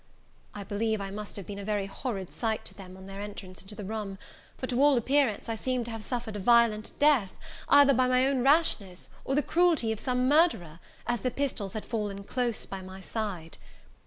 I believe I must have been a very horrid sight to them on their entrance into the room; for to all appearance, I seemed to have suffered a violent death, either by my own rashness, or the cruelty of some murderer, as the pistols had fallen close by my side.